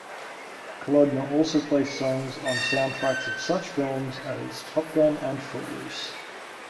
Kalodner also placed songs on soundtracks of such films as "Top Gun" and "Footloose".